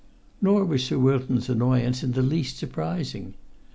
Nor was Sir Wilton's annoyance in the least surprising.